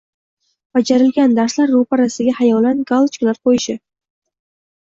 bajarilgan darslar ro‘parasiga xayolan galochkalar qo‘yishi